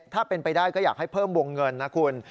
ถ้าเป็นไปได้ก็อยากให้เพิ่มวงเงินนะคุณ